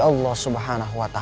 uu llevaran perhatian menyebut b spm